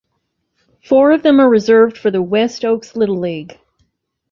Four of them are reserved for the West Oaks Little League.